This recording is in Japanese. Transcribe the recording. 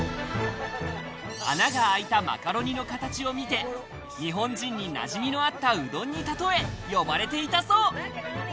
穴が開いたマカロニの形を見て、日本人になじみのあったうどんにたとえ呼ばれていたそう。